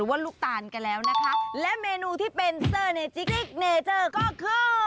โปรดติดตามตอนตอนแรก